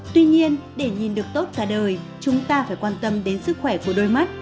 tuy nhiên để nhìn được tốt cả đời chúng ta phải quan tâm đến sức khỏe của đôi mắt